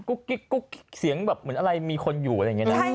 กิ๊กเสียงแบบเหมือนอะไรมีคนอยู่อะไรอย่างนี้นะ